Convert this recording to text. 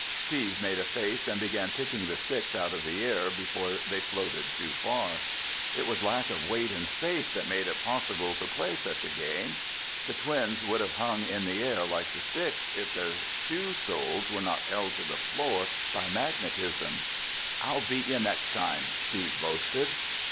Steve made a face and began picking the sticks out of the air before they floated too far. It was lack of weight in space that made it possible to play such a game. The twins would have hung in the air like the sticks if their shoe soles were not held to the floor by magnetism. "I'll beat you next time," Steve boasted.